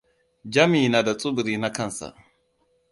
Jami na da tsubiri na kansa.